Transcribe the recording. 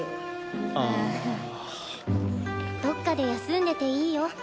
どっかで休んでていいよ。